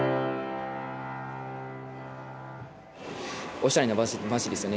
おしゃれな街ですよね。